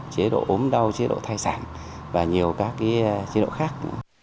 chế độ ốm đau chế độ thai sản và nhiều các chế độ khác